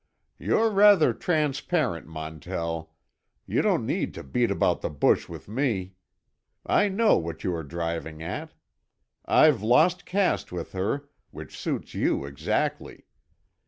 "You're rather transparent, Montell. You don't need to beat about the bush with me. I know what you are driving at. I've lost caste with her, which suits you exactly.